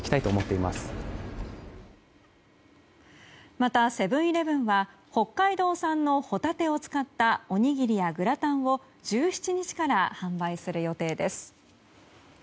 また、セブン‐イレブンは北海道産のホタテを使ったおにぎりやグラタンを１７日から販売する予定です。